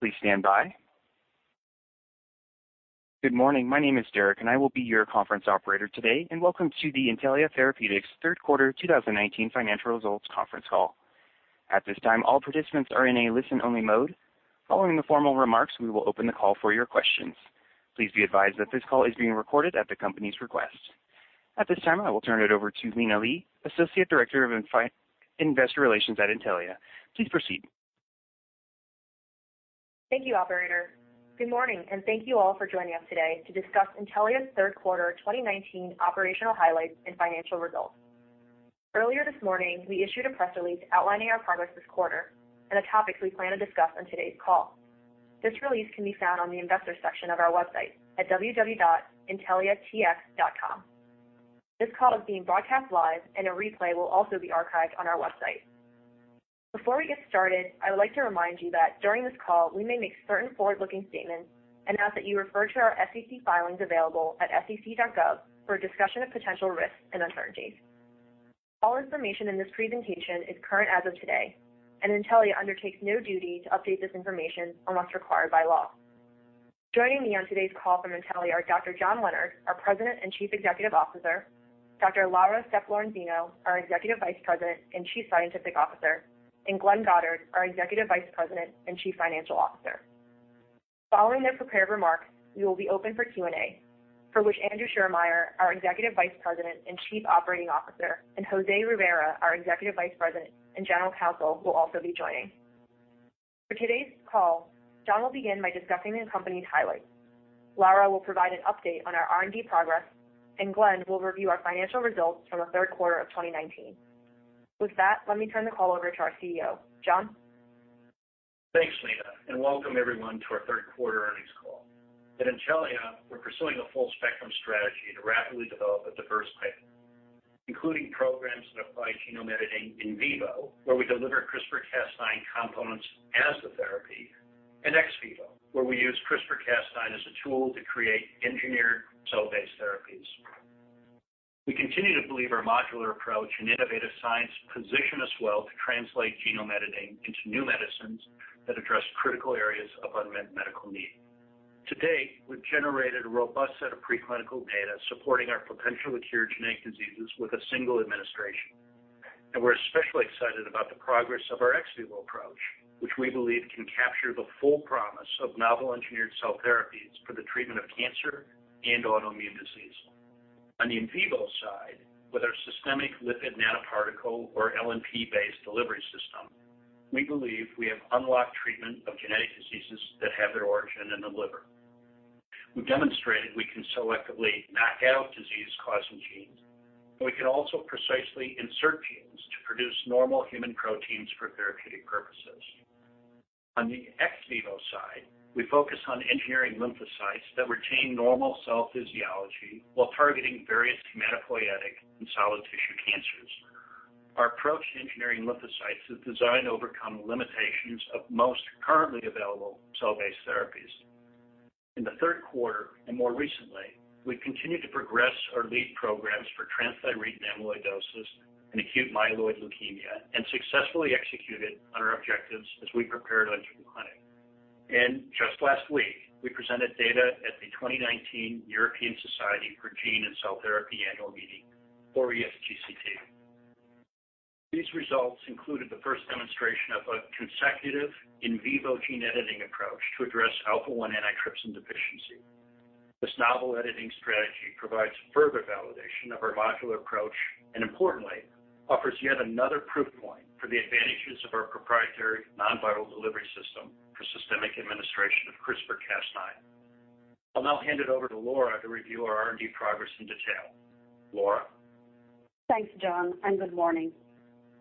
Please stand by. Good morning. My name is Derek, and I will be your conference operator today. Welcome to the Intellia Therapeutics third quarter 2019 financial results conference call. At this time, all participants are in a listen-only mode. Following the formal remarks, we will open the call for your questions. Please be advised that this call is being recorded at the company's request. At this time, I will turn it over to Lina Li, Associate Director of Investor Relations at Intellia. Please proceed. Thank you, operator. Good morning, and thank you all for joining us today to discuss Intellia's third quarter 2019 operational highlights and financial results. Earlier this morning, we issued a press release outlining our progress this quarter and the topics we plan to discuss on today's call. This release can be found on the investor section of our website at www.intelliatx.com. A replay will also be archived on our website. Before we get started, I would like to remind you that during this call, we may make certain forward-looking statements and ask that you refer to our SEC filings available at sec.gov for a discussion of potential risks and uncertainties. All information in this presentation is current as of today. Intellia undertakes no duty to update this information unless required by law. Joining me on today's call from Intellia are Dr. John Leonard, our President and Chief Executive Officer, Dr. Laura Sepp-Lorenzino, our Executive Vice President and Chief Scientific Officer, and Glenn Goddard, our Executive Vice President and Chief Financial Officer. Following their prepared remarks, we will be open for Q&A, for which Andrew Schiermeier, our Executive Vice President and Chief Operating Officer, and Jose Rivera, our Executive Vice President and General Counsel, will also be joining. For today's call, John will begin by discussing the company's highlights. Laura will provide an update on our R&D progress, and Glenn will review our financial results from the third quarter of 2019. With that, let me turn the call over to our CEO. John? Thanks, Lina, and welcome everyone to our third quarter earnings call. At Intellia, we're pursuing a full spectrum strategy to rapidly develop a diverse pipeline, including programs that apply genome editing in vivo, where we deliver CRISPR-Cas9 components as the therapy, and ex vivo, where we use CRISPR-Cas9 as a tool to create engineered cell-based therapies. We continue to believe our modular approach and innovative science position us well to translate genome editing into new medicines that address critical areas of unmet medical need. To date, we've generated a robust set of preclinical data supporting our potential to cure genetic diseases with a single administration. We're especially excited about the progress of our ex vivo approach, which we believe can capture the full promise of novel engineered cell therapies for the treatment of cancer and autoimmune disease. On the in vivo side, with our systemic lipid nanoparticle or LNP-based delivery system, we believe we have unlocked treatment of genetic diseases that have their origin in the liver. We've demonstrated we can selectively knock out disease-causing genes, but we can also precisely insert genes to produce normal human proteins for therapeutic purposes. On the ex vivo side, we focus on engineering lymphocytes that retain normal cell physiology while targeting various hematopoietic and solid tissue cancers. Our approach to engineering lymphocytes is designed to overcome the limitations of most currently available cell-based therapies. In the third quarter and more recently, we've continued to progress our lead programs for transthyretin amyloidosis and acute myeloid leukemia and successfully executed on our objectives as we prepared to enter the clinic. Just last week, we presented data at the 2019 European Society of Gene & Cell Therapy Annual Meeting, or ESGCT. These results included the first demonstration of a consecutive in vivo gene editing approach to address alpha-1 antitrypsin deficiency. This novel editing strategy provides further validation of our modular approach and importantly, offers yet another proof point for the advantages of our proprietary non-viral delivery system for systemic administration of CRISPR-Cas9. I'll now hand it over to Laura to review our R&D progress in detail. Laura? Thanks, John. Good morning.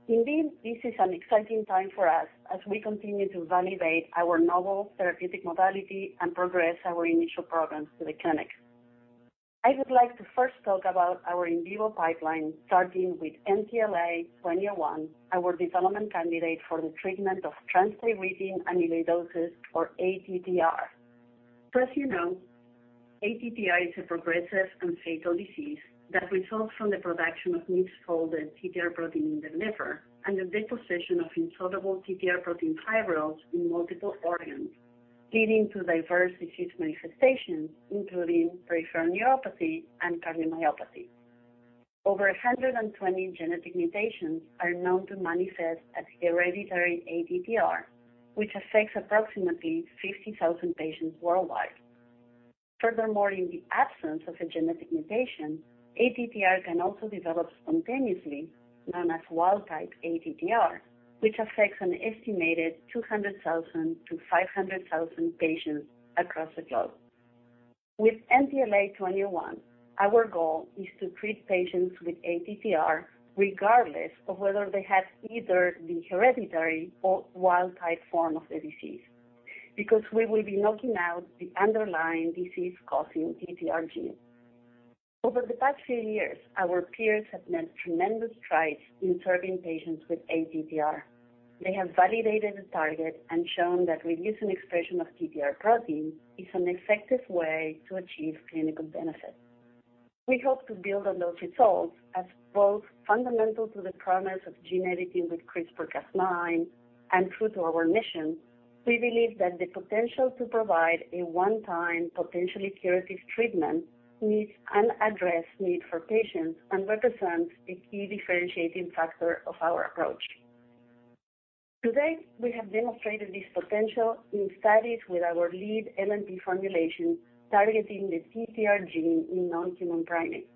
Indeed, this is an exciting time for us as we continue to validate our novel therapeutic modality and progress our initial programs to the clinic. I would like to first talk about our in vivo pipeline, starting with NTLA-2001, our development candidate for the treatment of transthyretin amyloidosis or ATTR. As you know, ATTR is a progressive and fatal disease that results from the production of misfolded TTR protein in the liver and the deposition of insoluble TTR protein fibrils in multiple organs, leading to diverse disease manifestations, including peripheral neuropathy and cardiomyopathy. Over 120 genetic mutations are known to manifest as hereditary ATTR, which affects approximately 50,000 patients worldwide. Furthermore, in the absence of a genetic mutation, ATTR can also develop spontaneously, known as wild-type ATTR, which affects an estimated 200,000-500,000 patients across the globe. With NTLA-2001, our goal is to treat patients with ATTR regardless of whether they have either the hereditary or wild-type form of the disease, because we will be knocking out the underlying disease-causing TTR gene. Over the past few years, our peers have made tremendous strides in serving patients with ATTR. They have validated the target and shown that reducing expression of TTR protein is an effective way to achieve clinical benefit. We hope to build on those results as both fundamental to the promise of gene editing with CRISPR-Cas9 and true to our mission, we believe that the potential to provide a one-time, potentially curative treatment meets an address need for patients and represents a key differentiating factor of our approach. To date, we have demonstrated this potential in studies with our lead LNP formulation targeting the TTR gene in non-human primates.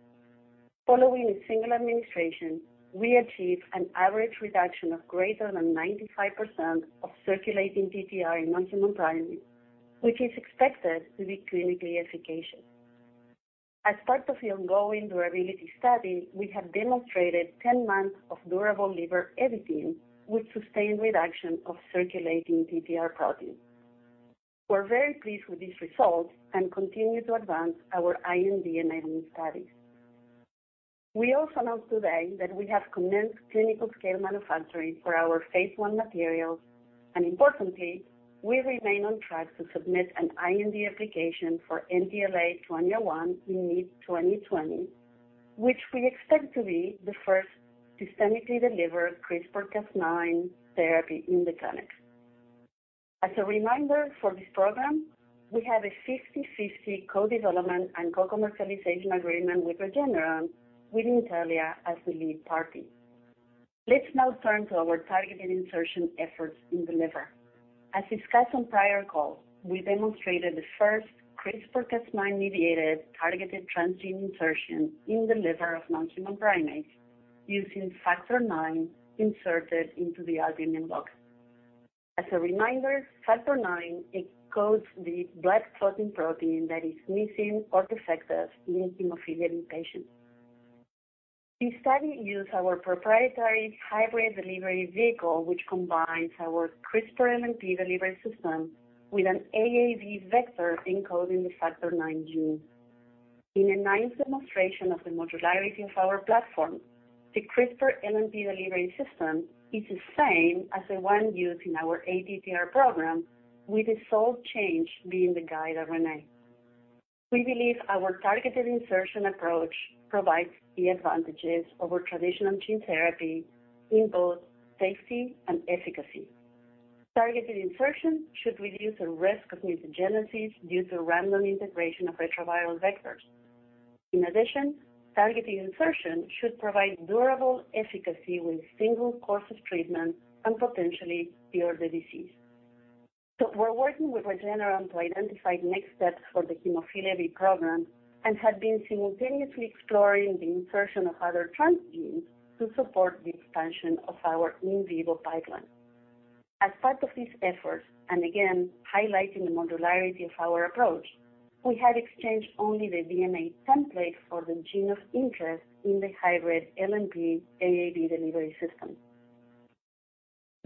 Following a single administration, we achieved an average reduction of greater than 95% of circulating TTR in non-human primates, which is expected to be clinically efficacious. As part of the ongoing durability study, we have demonstrated 10 months of durable liver editing with sustained reduction of circulating TTR protein. We're very pleased with this result and continue to advance our IND-enabling studies. We also note today that we have commenced clinical scale manufacturing for our phase I materials. Importantly, we remain on track to submit an IND application for NTLA-2001 in mid-2020, which we expect to be the first systemically delivered CRISPR-Cas9 therapy in the clinic. As a reminder for this program, we have a 50/50 co-development and co-commercialization agreement with Regeneron, with Intellia as the lead party. Let's now turn to our targeted insertion efforts in the liver. As discussed on prior calls, we demonstrated the first CRISPR-Cas9 mediated targeted transgene insertion in the liver of non-human primates using factor IX inserted into the albumin box. As a reminder, factor IX encodes the blood clotting protein that is missing or defective in hemophilia B patients. The study used our proprietary hybrid delivery vehicle, which combines our CRISPR LNP delivery system with an AAV vector encoding the factor IX gene. In a nice demonstration of the modularity of our platform, the CRISPR LNP delivery system is the same as the one used in our ATTR program, with the sole change being the guide RNA. We believe our targeted insertion approach provides key advantages over traditional gene therapy in both safety and efficacy. Targeted insertion should reduce the risk of mutagenesis due to random integration of retroviral vectors. In addition, targeted insertion should provide durable efficacy with single course of treatment and potentially cure the disease. We're working with Regeneron to identify next steps for the hemophilia B program and have been simultaneously exploring the insertion of other transgenes to support the expansion of our in vivo pipeline. As part of this effort, and again highlighting the modularity of our approach, we have exchanged only the DNA template for the gene of interest in the hybrid LNP AAV delivery system.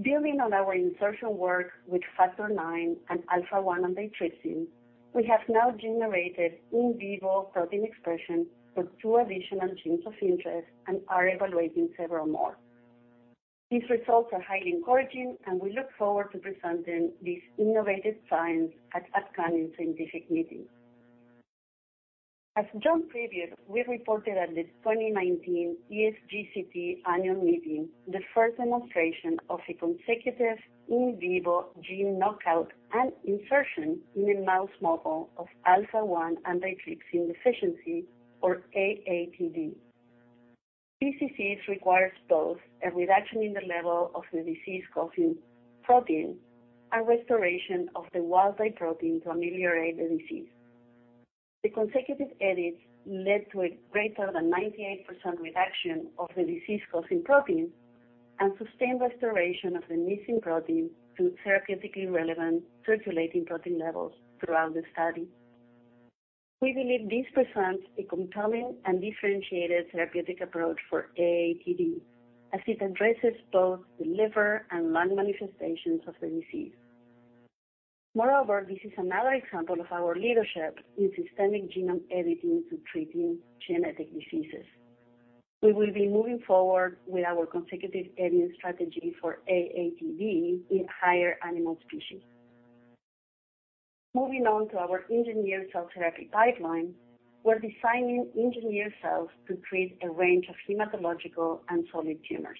Building on our insertion work with factor IX and alpha-1 antitrypsin, we have now generated in vivo protein expression for two additional genes of interest and are evaluating several more. These results are highly encouraging, we look forward to presenting these innovative science at upcoming scientific meetings. As John previewed, we reported at the 2019 ESGCT Annual Meeting, the first demonstration of a consecutive in vivo gene knockout and insertion in a mouse model of alpha-1 antitrypsin deficiency, or AATD. This disease requires both a reduction in the level of the disease-causing protein and restoration of the wild type protein to ameliorate the disease. The consecutive edits led to a greater than 98% reduction of the disease-causing protein and sustained restoration of the missing protein to therapeutically relevant circulating protein levels throughout the study. We believe this presents a compelling and differentiated therapeutic approach for AATD, as it addresses both the liver and lung manifestations of the disease. Moreover, this is another example of our leadership in systemic genome editing to treating genetic diseases. We will be moving forward with our consecutive editing strategy for AATD in higher animal species. Moving on to our engineered cell therapy pipeline, we're designing engineered cells to treat a range of hematological and solid tumors.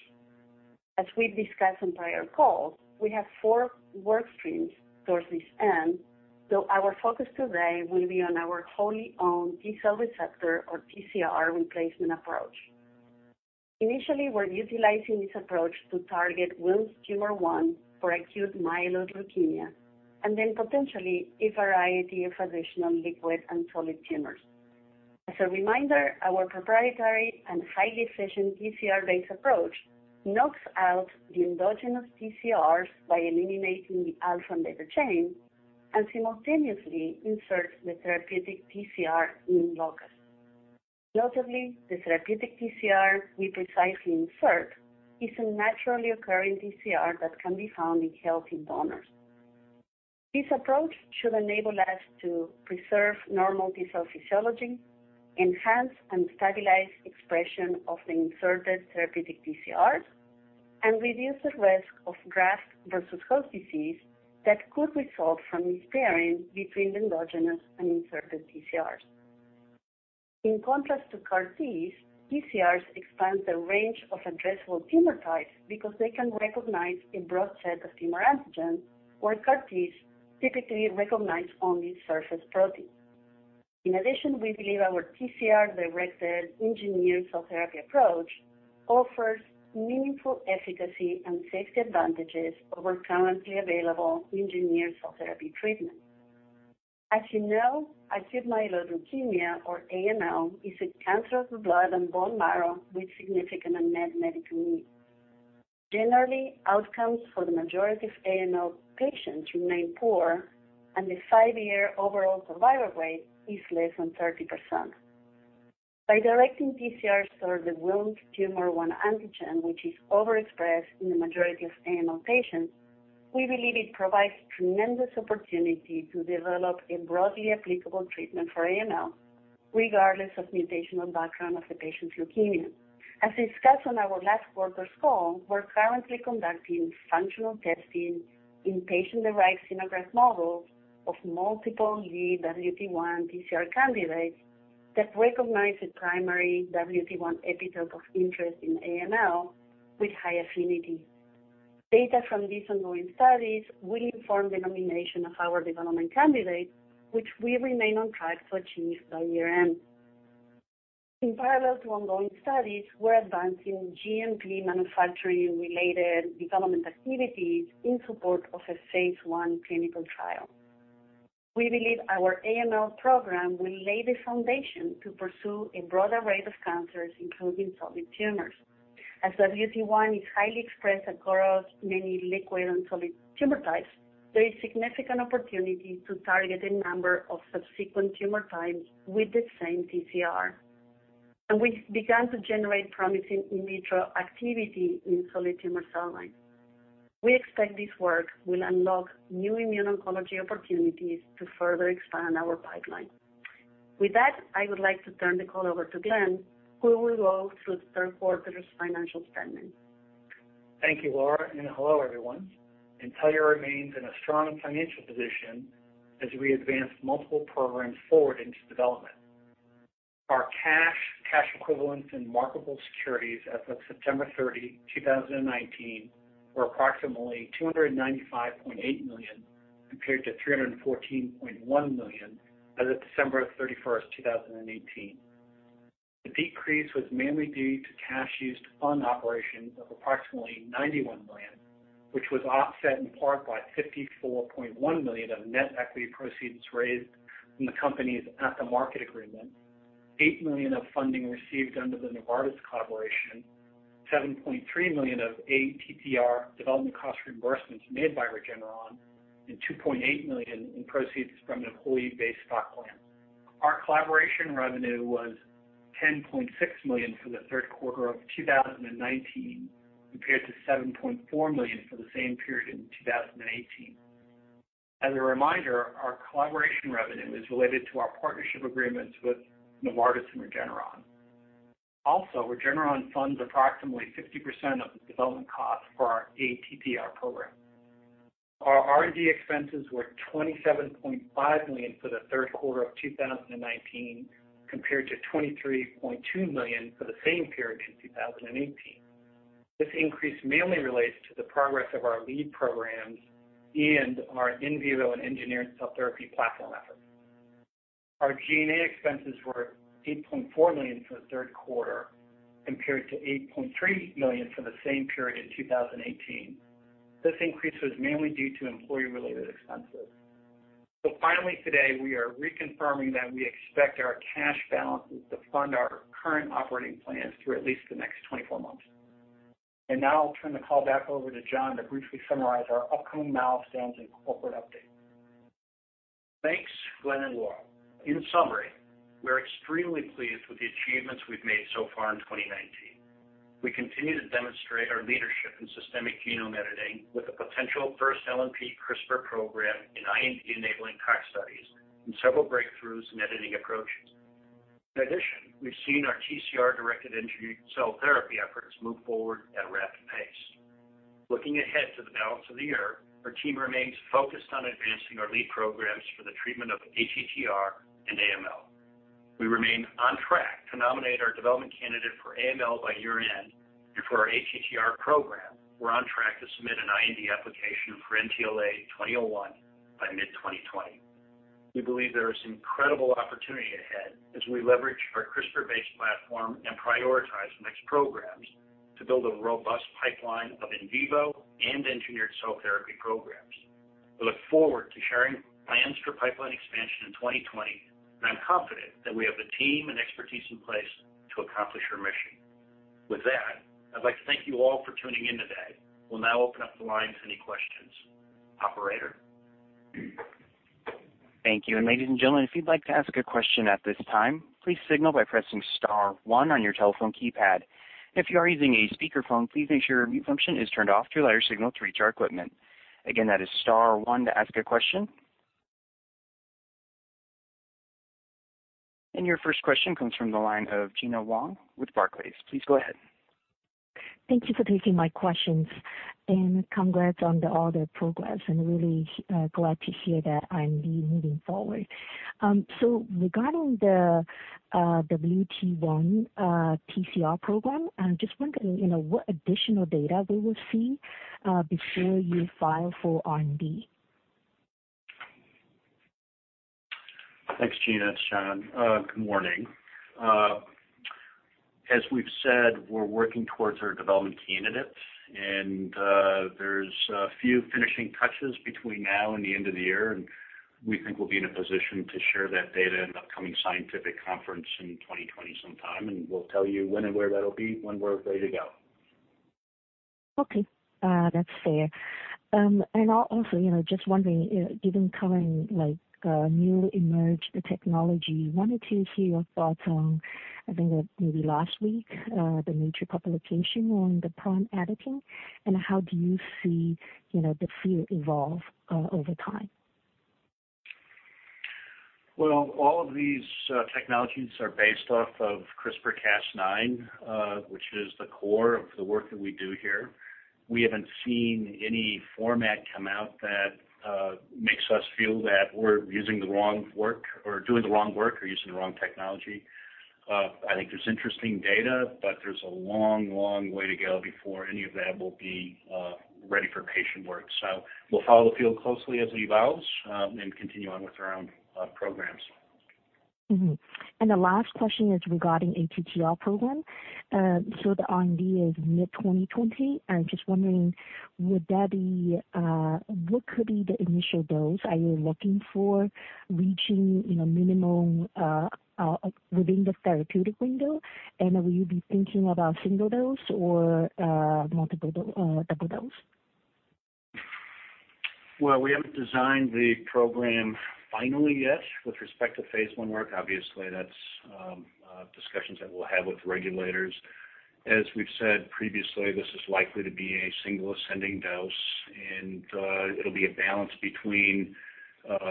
As we've discussed on prior calls, we have four workstreams towards this end, though our focus today will be on our wholly-owned T cell receptor, or TCR, replacement approach. Initially, we're utilizing this approach to target Wilms' tumor 1 for acute myeloid leukemia, and then potentially a variety of additional liquid and solid tumors. As a reminder, our proprietary and highly efficient TCR-based approach knocks out the endogenous TCRs by eliminating the alpha and beta chain and simultaneously inserts the therapeutic TCR in locus. Notably, the therapeutic TCR we precisely insert is a naturally occurring TCR that can be found in healthy donors. This approach should enable us to preserve normal T cell physiology, enhance and stabilize expression of the inserted therapeutic TCR and reduce the risk of graft-versus-host disease that could result from mispairing between the endogenous and inserted TCRs. In contrast to CAR Ts, TCRs expand the range of addressable tumor types because they can recognize a broad set of tumor antigens, while CAR Ts typically recognize only surface proteins. In addition, we believe our TCR-directed engineered cell therapy approach offers meaningful efficacy and safety advantages over currently available engineered cell therapy treatments. As you know, acute myeloid leukemia, or AML, is a cancer of the blood and bone marrow with significant unmet medical needs. Generally, outcomes for the majority of AML patients remain poor, and the five-year overall survival rate is less than 30%. By directing TCRs toward the Wilms' tumor 1 antigen, which is overexpressed in the majority of AML patients, we believe it provides tremendous opportunity to develop a broadly applicable treatment for AML regardless of mutational background of the patient's leukemia. As discussed on our last quarter's call, we're currently conducting functional testing in patient-derived xenograft models of multiple lead WT1 TCR candidates that recognize the primary WT1 epitope of interest in AML with high affinity. Data from these ongoing studies will inform the nomination of our development candidate, which we remain on track to achieve by year-end. In parallel to ongoing studies, we're advancing GMP manufacturing-related development activities in support of a phase I clinical trial. We believe our AML program will lay the foundation to pursue a broader range of cancers, including solid tumors. As WT1 is highly expressed across many liquid and solid tumor types, there is significant opportunity to target a number of subsequent tumor types with the same TCR. We've begun to generate promising in vitro activity in solid tumor cell lines. We expect this work will unlock new immune oncology opportunities to further expand our pipeline. With that, I would like to turn the call over to Glenn, who will go through the third quarter's financial statement. Thank you, Laura. Hello, everyone. Intellia remains in a strong financial position as we advance multiple programs forward into development. Our cash equivalents, and marketable securities as of September 30, 2019, were approximately $295.8 million, compared to $314.1 million as of December 31st, 2018. The decrease was mainly due to cash used to fund operations of approximately $91 million, which was offset in part by $54.1 million of net equity proceeds raised from the company's At the Market agreement, $8 million of funding received under the Novartis collaboration, $7.3 million of ATTR development cost reimbursements made by Regeneron, and $2.8 million in proceeds from an employee-based stock plan. Our collaboration revenue was $10.6 million for the third quarter of 2019, compared to $7.4 million for the same period in 2018. As a reminder, our collaboration revenue is related to our partnership agreements with Novartis and Regeneron. Regeneron funds approximately 60% of the development costs for our ATTR program. Our R&D expenses were $27.5 million for the third quarter of 2019, compared to $23.2 million for the same period in 2018. This increase mainly relates to the progress of our lead programs and our in vivo and engineered cell therapy platform efforts. Our G&A expenses were $8.4 million for the third quarter, compared to $8.3 million for the same period in 2018. This increase was mainly due to employee-related expenses. Finally, today, we are reconfirming that we expect our cash balances to fund our current operating plans through at least the next 24 months. Now I'll turn the call back over to John to briefly summarize our upcoming milestones and corporate update. Thanks, Glenn and Laura. In summary, we're extremely pleased with the achievements we've made so far in 2019. We continue to demonstrate our leadership in systemic genome editing with a potential first LNP CRISPR program in IND-enabling tox studies and several breakthroughs in editing approaches. In addition, we've seen our TCR-directed engineered cell therapy efforts move forward at a rapid pace. Looking ahead to the balance of the year, our team remains focused on advancing our lead programs for the treatment of ATTR and AML. We remain on track to nominate our development candidate for AML by year-end, and for our ATTR program, we're on track to submit an IND application for NTLA-2001 by mid-2020. We believe there is incredible opportunity ahead as we leverage our CRISPR-based platform and prioritize the next programs to build a robust pipeline of in vivo and engineered cell therapy programs. We look forward to sharing plans for pipeline expansion in 2020, and I'm confident that we have the team and expertise in place to accomplish our mission. With that, I'd like to thank you all for tuning in today. We'll now open up the line to any questions. Operator? Thank you. Ladies and gentlemen, if you'd like to ask a question at this time, please signal by pressing *1 on your telephone keypad. If you are using a speakerphone, please make sure your mute function is turned off to allow your signal to reach our equipment. Again, that is *1 to ask a question. Your first question comes from the line of Gena Wang with Barclays. Please go ahead. Thank you for taking my questions, and congrats on all the progress, and really glad to hear that IND moving forward. Regarding the WT1 TTR program, I'm just wondering what additional data we will see before you file for IND. Thanks, Gena. It's John. Good morning. As we've said, we're working towards our development candidates. There's a few finishing touches between now and the end of the year. We think we'll be in a position to share that data at an upcoming scientific conference in 2020 sometime. We'll tell you when and where that'll be when we're ready to go. Okay. That's fair. Also, just wondering, given kind of like new emerged technology, wanted to hear your thoughts on, I think it was maybe last week, the Nature publication on the Prime Editing, and how do you see the field evolve over time? Well, all of these technologies are based off of CRISPR-Cas9, which is the core of the work that we do here. We haven't seen any format come out that makes us feel that we're using the wrong work or doing the wrong work or using the wrong technology. I think there's interesting data, but there's a long way to go before any of that will be ready for patient work. We'll follow the field closely as it evolves and continue on with our own programs. The last question is regarding ATTR program. The RMD is mid-2020. I'm just wondering, what could be the initial dose? Are you looking for reaching minimum within the therapeutic window? Will you be thinking about single dose or double dose? Well, we haven't designed the program finally yet with respect to phase I work. Obviously, that's discussions that we'll have with regulators. As we've said previously, this is likely to be a single ascending dose, and it'll be a balance between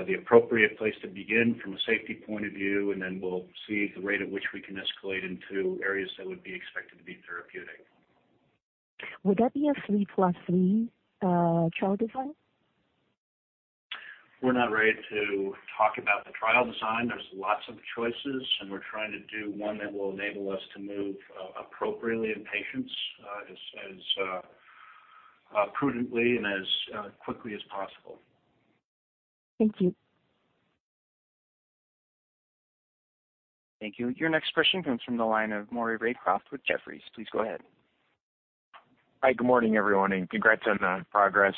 the appropriate place to begin from a safety point of view, and then we'll see the rate at which we can escalate into areas that would be expected to be therapeutic. Would that be a three plus three trial design? We're not ready to talk about the trial design. There's lots of choices, and we're trying to do one that will enable us to move appropriately in patients as prudently and as quickly as possible. Thank you. Thank you. Your next question comes from the line of Maury Raycroft with Jefferies. Please go ahead. Hi, good morning, everyone, and congrats on the progress.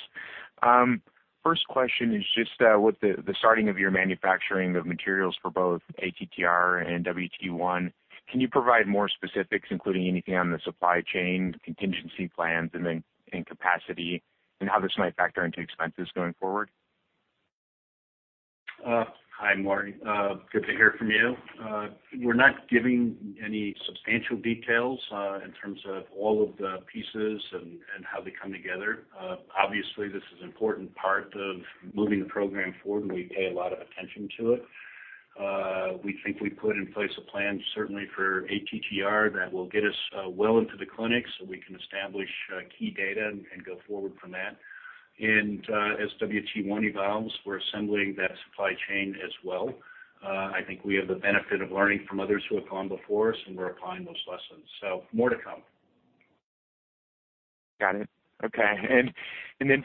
First question is just with the starting of your manufacturing of materials for both ATTR and WT1, can you provide more specifics, including anything on the supply chain contingency plans and capacity, and how this might factor into expenses going forward? Hi, Maury. Good to hear from you. We're not giving any substantial details in terms of all of the pieces and how they come together. Obviously, this is an important part of moving the program forward, and we pay a lot of attention to it. We think we put in place a plan certainly for ATTR that will get us well into the clinic so we can establish key data and go forward from that. As WT1 evolves, we're assembling that supply chain as well. I think we have the benefit of learning from others who have gone before us, and we're applying those lessons. More to come. Got it. Okay.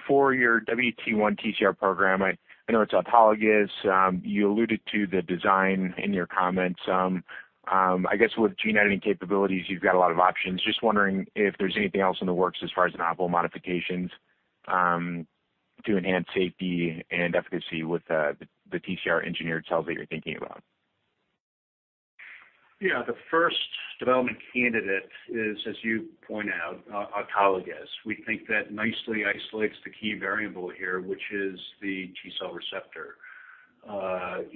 For your WT1 TTR program, I know it's autologous. You alluded to the design in your comments. I guess with gene editing capabilities, you've got a lot of options. Just wondering if there's anything else in the works as far as novel modifications to enhance safety and efficacy with the TTR-engineered cells that you're thinking about. Yeah. The first development candidate is, as you point out, autologous. We think that nicely isolates the key variable here, which is the T cell receptor.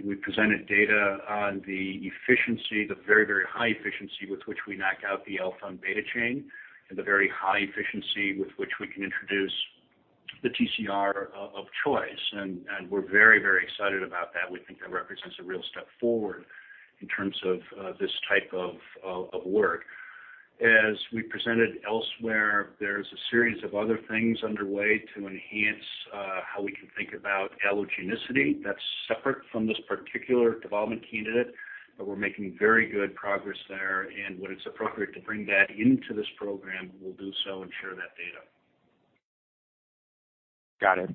We presented data on the efficiency, the very high efficiency with which we knock out the alpha and beta chain and the very high efficiency with which we can introduce the TTR of choice, and we're very excited about that. We think that represents a real step forward in terms of this type of work. As we presented elsewhere, there's a series of other things underway to enhance how we can think about allogenicity. That's separate from this particular development candidate, but we're making very good progress there, and when it's appropriate to bring that into this program, we'll do so and share that data. Got it.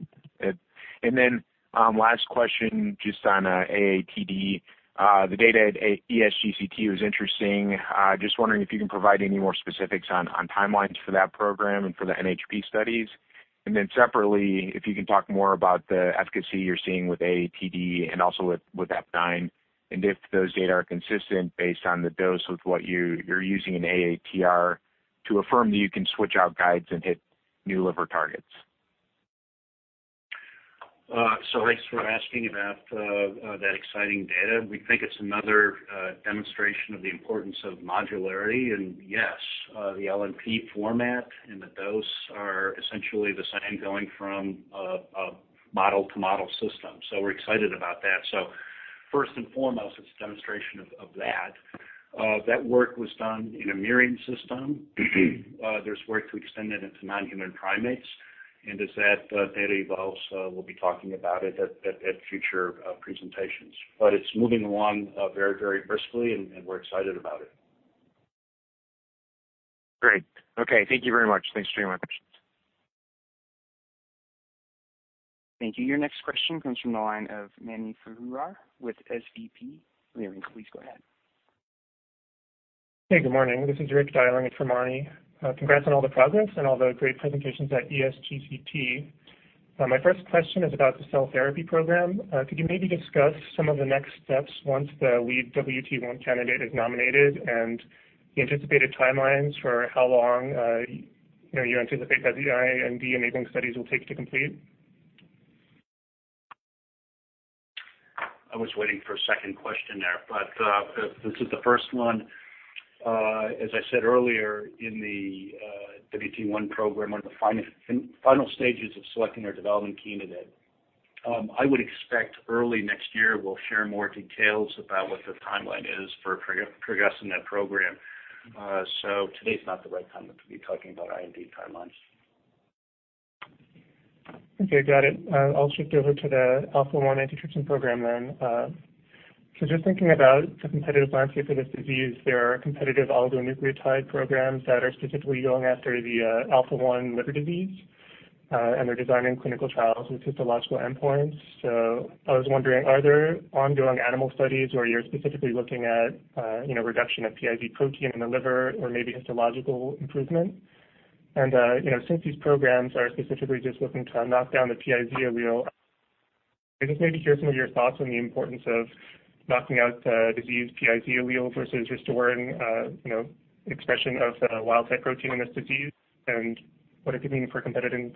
Last question just on AATD. The data at ESGCT was interesting. Just wondering if you can provide any more specifics on timelines for that program and for the NHP studies. Separately, if you can talk more about the efficacy you're seeing with AATD and also with F9, and if those data are consistent based on the dose with what you're using in ATTR to affirm that you can switch out guides and hit new liver targets. Thanks for asking about that exciting data. We think it's another demonstration of the importance of modularity, and yes, the LNP format and the dose are essentially the same going from a model-to-model system. We're excited about that. First and foremost, it's a demonstration of that. That work was done in a mirroring system. There's work to extend that into non-human primates, and as that data evolves, we'll be talking about it at future presentations. It's moving along very briskly, and we're excited about it. Great. Okay. Thank you very much. Thanks for answering my questions. Thank you. Your next question comes from the line of Mani Foroohar with SVB Leerink. Mani, please go ahead. Hey, good morning. This is Rick dialing in for Mani. Congrats on all the progress and all the great presentations at ESGCT. My first question is about the cell therapy program. Could you maybe discuss some of the next steps once the lead WT1 candidate is nominated and the anticipated timelines for how long you anticipate that the IND-enabling studies will take to complete? I was waiting for a second question there, but this is the first one. As I said earlier, in the WT1 program, we're in the final stages of selecting our development candidate. I would expect early next year, we'll share more details about what the timeline is for progressing that program. Today's not the right time to be talking about IND timelines. Okay, got it. I'll shift over to the alpha-1 antitrypsin program then. Just thinking about the competitive landscape for this disease, there are competitive oligonucleotide programs that are specifically going after the alpha-1 liver disease, and they're designing clinical trials with histological endpoints. I was wondering, are there ongoing animal studies where you're specifically looking at reduction of PiZ protein in the liver or maybe histological improvement? Since these programs are specifically just looking to knock down the PiZ allele, I just maybe hear some of your thoughts on the importance of knocking out diseased PiZ alleles versus restoring expression of wild-type protein in this disease, and what it could mean for competitive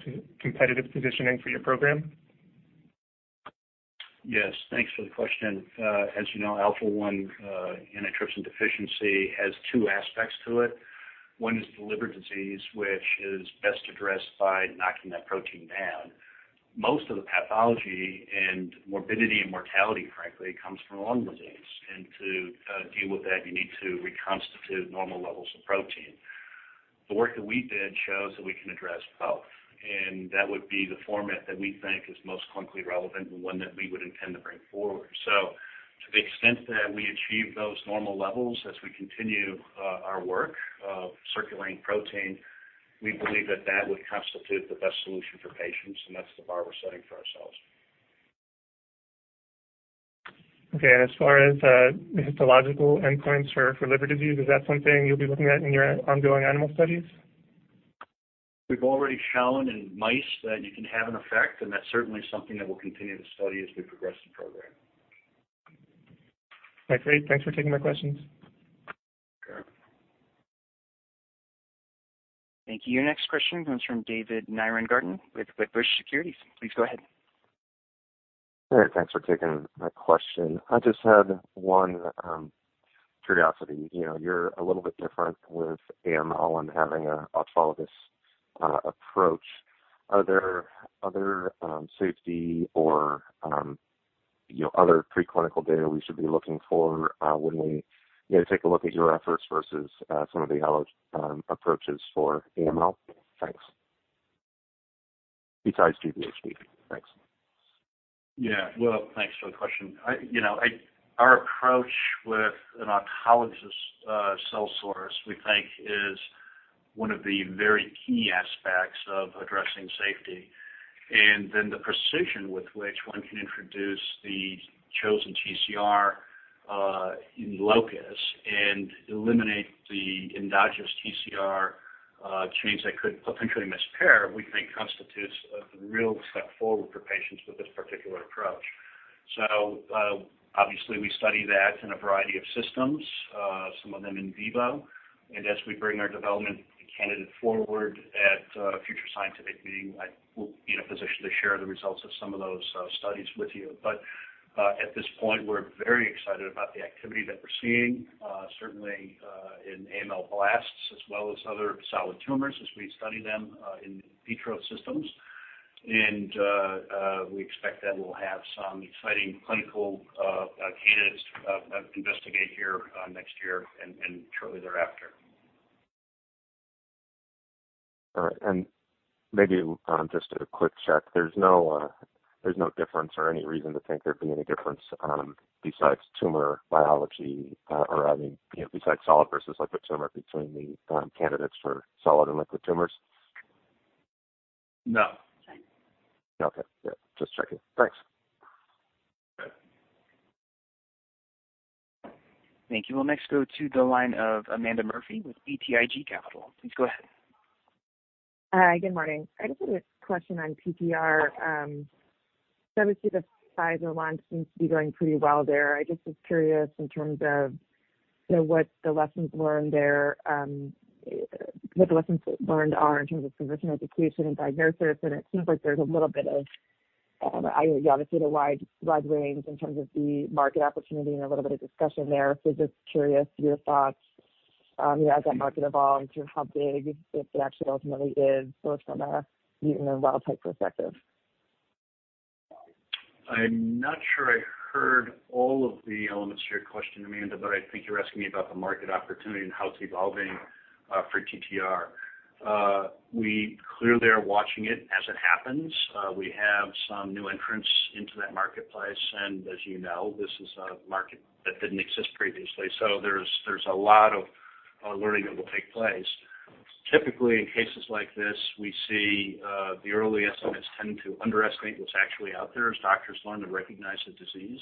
positioning for your program. Yes, thanks for the question. As you know, alpha-1 antitrypsin deficiency has two aspects to it. One is the liver disease, which is best addressed by knocking that protein down. Most of the pathology and morbidity and mortality, frankly, comes from lung disease. To deal with that, you need to reconstitute normal levels of protein. The work that we did shows that we can address both, that would be the format that we think is most clinically relevant and one that we would intend to bring forward. To the extent that we achieve those normal levels as we continue our work of circulating protein, we believe that that would constitute the best solution for patients, that's the bar we're setting for ourselves. Okay, as far as the histological endpoints for liver disease, is that something you'll be looking at in your ongoing animal studies? We've already shown in mice that you can have an effect. That's certainly something that we'll continue to study as we progress the program. Okay, great. Thanks for taking my questions. Okay. Thank you. Your next question comes from David Nierengarten with Wedbush Securities. Please go ahead. All right, thanks for taking my question. I just had one curiosity. You're a little bit different with AML and having an autologous approach. Are there other safety or other preclinical data we should be looking for when we take a look at your efforts versus some of the other approaches for AML? Thanks. Besides GVHD. Thanks. Yeah. Well, thanks for the question. Our approach with an autologous cell source, we think is one of the very key aspects of addressing safety. The precision with which one can introduce the chosen TTR in locus and eliminate the endogenous TTR chains that could potentially mispair, we think constitutes a real step forward for patients with this particular approach. Obviously we study that in a variety of systems, some of them in vivo, and as we bring our development candidate forward at a future scientific meeting, I will be in a position to share the results of some of those studies with you. At this point, we're very excited about the activity that we're seeing, certainly in AML blasts as well as other solid tumors as we study them in vitro systems. We expect that we'll have some exciting clinical candidates to investigate here next year and shortly thereafter. All right. Maybe just a quick check. There's no difference or any reason to think there'd be any difference besides tumor biology or, I mean, besides solid versus liquid tumor between the candidates for solid and liquid tumors? No. Okay. Yeah, just checking. Thanks. Okay. Thank you. We'll next go to the line of Amanda Murphy with BTIG Capital. Please go ahead. Hi. Good morning. I just had a question on TTR. Obviously, the Pfizer launch seems to be going pretty well there. I just was curious in terms of what the lessons learned are in terms of physician education and diagnosis. It seems like there's a little bit of, obviously the wide range in terms of the market opportunity and a little bit of discussion there. Just curious your thoughts as that market evolves, how big it actually ultimately is both from a mutant and wild type perspective? I'm not sure I heard all of the elements to your question, Amanda. I think you're asking me about the market opportunity and how it's evolving for TTR. We clearly are watching it as it happens. We have some new entrants into that marketplace. As you know, this is a market that didn't exist previously. There's a lot of learning that will take place. Typically, in cases like this, we see the early estimates tend to underestimate what's actually out there as doctors learn to recognize the disease.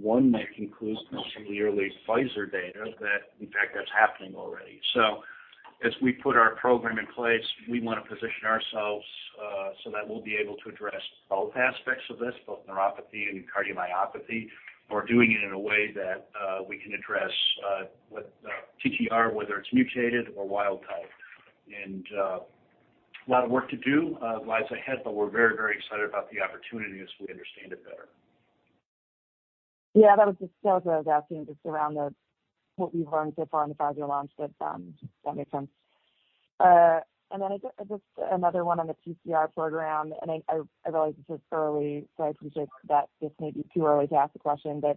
One might conclude from some of the early Pfizer data that in fact that's happening already. As we put our program in place, we want to position ourselves, so that we'll be able to address both aspects of this, both neuropathy and cardiomyopathy, or doing it in a way that we can address TTR, whether it's mutated or wild type. A lot of work to do lies ahead, but we're very excited about the opportunity as we understand it better. Yeah, that was just what I was asking, just around what we've learned so far in the five-year launch that makes sense. Just another one on the TTR program, and I realize this is early, so I appreciate that this may be too early to ask the question, but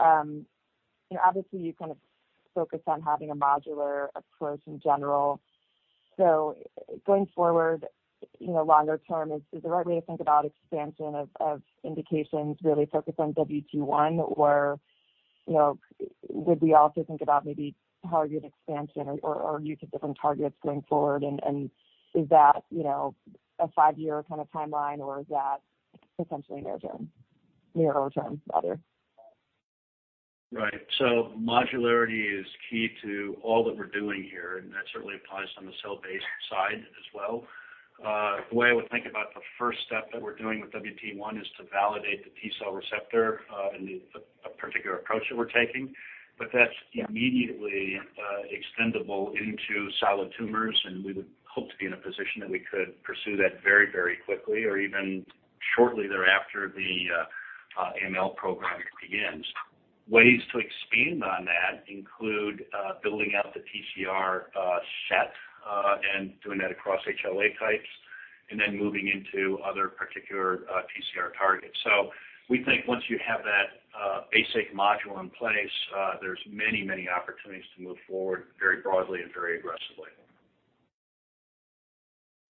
obviously you focus on having a modular approach in general. Going forward, longer term, is the right way to think about expansion of indications really focused on WT1 or would we also think about maybe target expansion or use of different targets going forward? Is that a five-year timeline or is that potentially nearer term rather? Right. Modularity is key to all that we're doing here, and that certainly applies on the cell-based side as well. The way I would think about the first step that we're doing with WT1 is to validate the T-cell receptor, and the particular approach that we're taking. That's immediately extendable into solid tumors, and we would hope to be in a position that we could pursue that very quickly or even shortly thereafter the AML program begins. Ways to expand on that include building out the TTR set, and doing that across HLA types, and then moving into other particular TTR targets. We think once you have that basic module in place, there's many opportunities to move forward very broadly and very aggressively.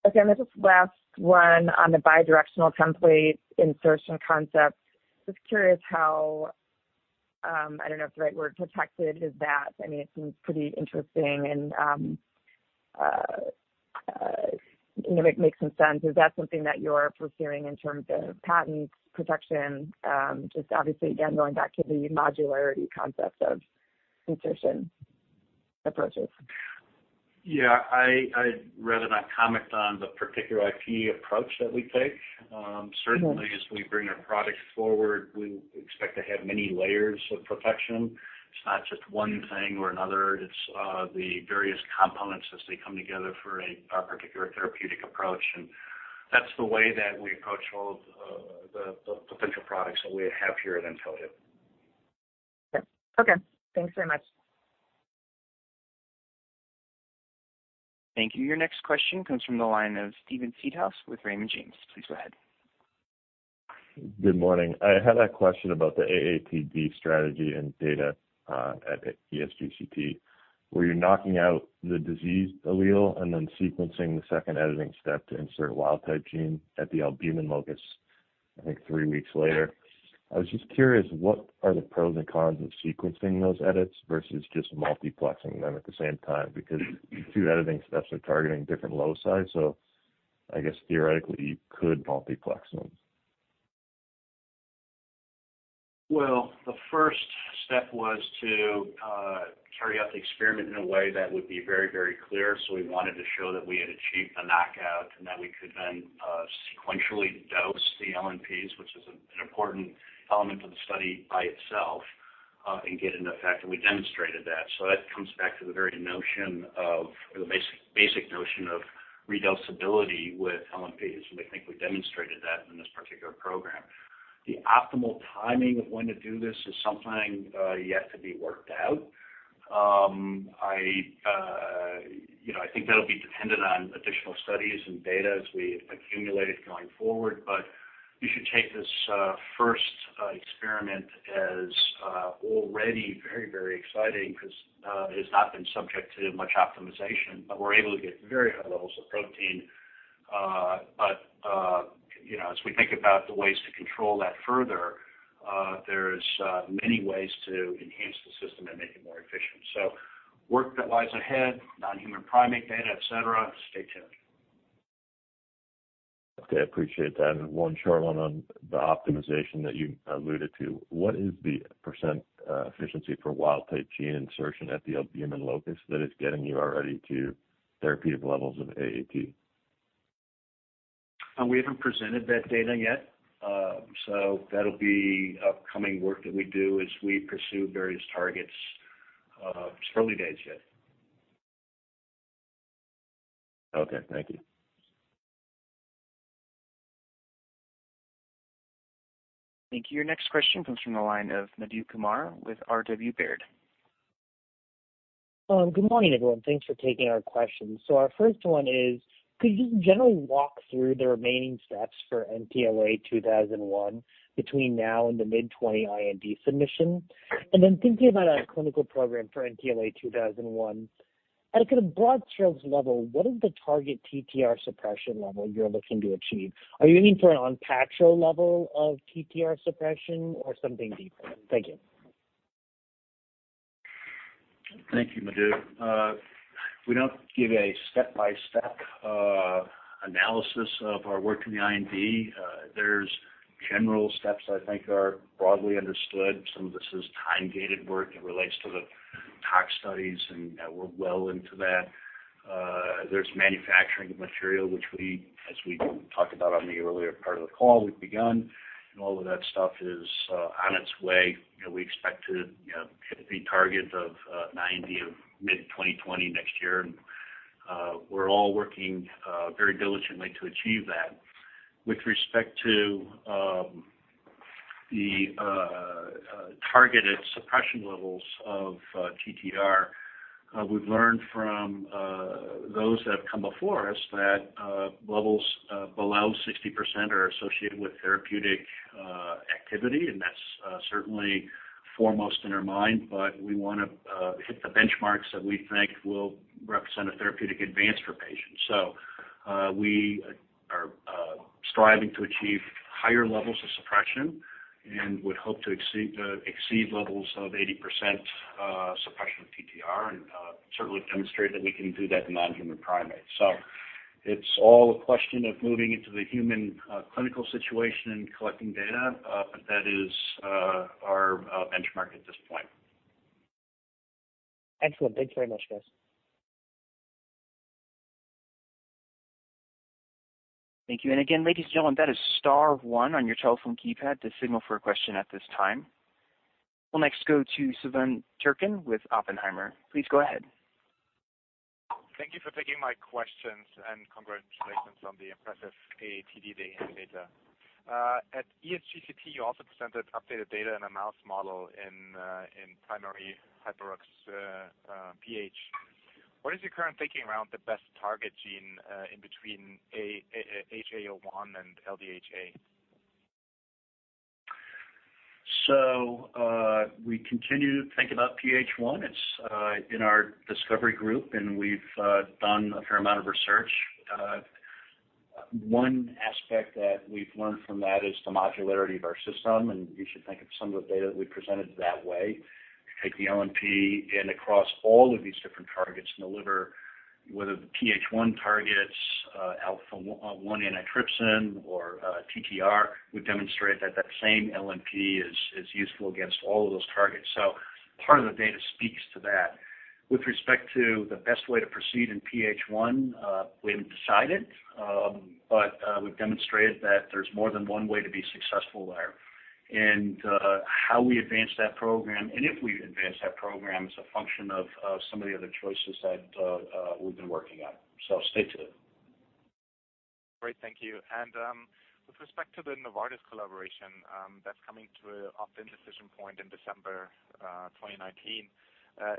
Okay, just last one on the bi-directional template insertion concepts. Just curious how, I don't know if the right word protected is that, it seems pretty interesting and makes some sense. Is that something that you're pursuing in terms of patent protection? Just obviously, again, going back to the modularity concept of insertion approaches. Yeah, I'd rather not comment on the particular IP approach that we take. Certainly as we bring our products forward, we expect to have many layers of protection. It's not just one thing or another. It's the various components as they come together for a particular therapeutic approach, and that's the way that we approach all of the potential products that we have here at Intellia. Okay. Thanks very much. Thank you. Your next question comes from the line of Steven Seedhouse with Raymond James. Please go ahead. Good morning. I had a question about the AATD strategy and data, at ESGCT, where you're knocking out the diseased allele and then sequencing the second editing step to insert wild type gene at the albumin locus, I think 3 weeks later. I was just curious, what are the pros and cons of sequencing those edits versus just multiplexing them at the same time? Two editing steps are targeting different loci. I guess theoretically, you could multiplex them. The first step was to carry out the experiment in a way that would be very clear. We wanted to show that we had achieved a knockout and that we could then sequentially dose the LNPs, which is an important element of the study by itself, and get an effect, and we demonstrated that. That comes back to the very notion of, or the basic notion of redosability with LNPs, and I think we demonstrated that in this particular program. The optimal timing of when to do this is something yet to be worked out. I think that'll be dependent on additional studies and data as we accumulate it going forward. You should take this first experiment as already very exciting because it has not been subject to much optimization. We're able to get very high levels of protein. As we think about the ways to control that further, there's many ways to enhance the system and make it more efficient. Work that lies ahead, non-human primate data, et cetera. Stay tuned. Okay. Appreciate that. One short one on the optimization that you alluded to. What is the percent efficiency for wild type gene insertion at the albumin locus that is getting you already to therapeutic levels of AAT? We haven't presented that data yet. That'll be upcoming work that we do as we pursue various targets. It's early days yet. Okay. Thank you. Thank you. Your next question comes from the line of Madhu Kumar with RW Baird. Good morning, everyone. Thanks for taking our questions. Our first one is, could you generally walk through the remaining steps for NTLA-2001 between now and the mid '20 IND submission? Thinking about a clinical program for NTLA-2001, at a kind of broad strokes level, what is the target TTR suppression level you're looking to achieve? Are you aiming for an Onpattro level of TTR suppression or something deeper? Thank you. Thank you, Madhu. We don't give a step-by-step analysis of our work in the IND. There's general steps I think are broadly understood. Some of this is time-gated work that relates to the tox studies, and we're well into that. There's manufacturing of material, which, as we talked about on the earlier part of the call, we've begun, and all of that stuff is on its way. We expect to hit the targets of 90 of mid 2020 next year. We're all working very diligently to achieve that. With respect to the targeted suppression levels of TTR, we've learned from those that have come before us that levels below 60% are associated with therapeutic activity, and that's certainly foremost in our mind. We want to hit the benchmarks that we think will represent a therapeutic advance for patients. We are striving to achieve higher levels of suppression and would hope to exceed levels of 80% suppression of TTR, and certainly demonstrate that we can do that in non-human primates. It's all a question of moving into the human clinical situation and collecting data, but that is our benchmark at this point. Excellent. Thanks very much, guys. Thank you. Again, ladies and gentlemen, that is star one on your telephone keypad to signal for a question at this time. We'll next go to Jay Olson with Oppenheimer. Please go ahead. Thank you for taking my questions, and congratulations on the impressive AATD day data. At ESGCT, you also presented updated data in a mouse model in primary hyperoxaluria PH. What is your current thinking around the best target gene in between HAO1 and LDHA? We continue to think about PH1. It's in our discovery group, and we've done a fair amount of research. One aspect that we've learned from that is the modularity of our system, and you should think of some of the data that we presented that way. You take the LNP and across all of these different targets in the liver, whether the PH1 targets alpha-1 antitrypsin or TTR, we've demonstrated that that same LNP is useful against all of those targets. Part of the data speaks to that. With respect to the best way to proceed in PH1, we haven't decided, but we've demonstrated that there's more than one way to be successful there. How we advance that program, and if we advance that program, is a function of some of the other choices that we've been working on. Stay tuned. Great. Thank you. With respect to the Novartis collaboration that's coming to an decision point in December 2019,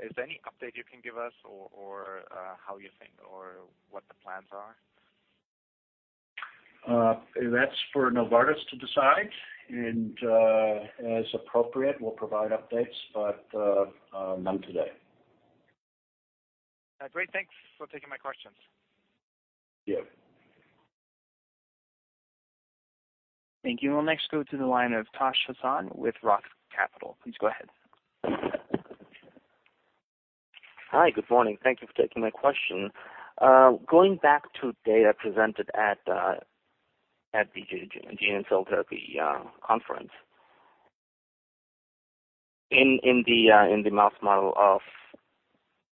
is there any update you can give us or how you think or what the plans are? That's for Novartis to decide, and as appropriate, we'll provide updates, but none today. Great. Thanks for taking my questions. Yeah. Thank you. We'll next go to the line of Tash Hasan with RBC Capital Markets. Please go ahead. Hi. Good morning. Thank you for taking my question. Going back to data presented at the Gene and Cell Therapy Conference. In the mouse model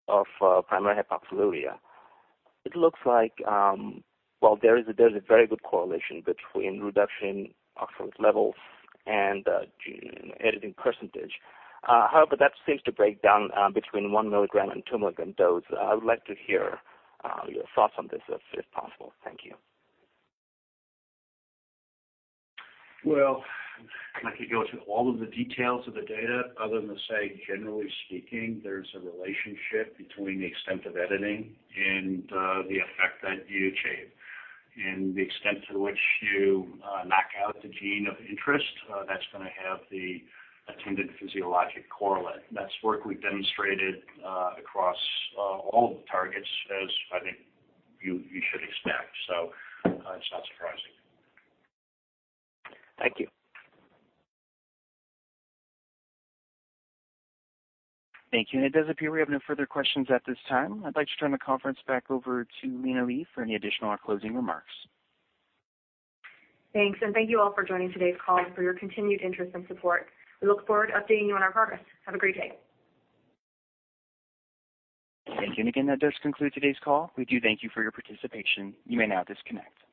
of primary hyperoxaluria, it looks like there is a very good correlation between reduction oxalates levels and gene editing percentage. That seems to break down between one milligram and two milligram dose. I would like to hear your thoughts on this, if possible. Thank you. Well, I'm not going to go through all of the details of the data other than to say, generally speaking, there's a relationship between the extent of editing and the effect that you achieve. The extent to which you knock out the gene of interest, that's going to have the attendant physiologic correlate. That's work we've demonstrated across all the targets as, I think, you should expect. It's not surprising. Thank you. Thank you. It does appear we have no further questions at this time. I'd like to turn the conference back over to Lina Li for any additional or closing remarks. Thanks. Thank you all for joining today's call and for your continued interest and support. We look forward to updating you on our progress. Have a great day. Thank you. Again, that does conclude today's call. We do thank you for your participation. You may now disconnect.